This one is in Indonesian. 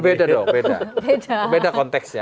beda dong beda beda konteksnya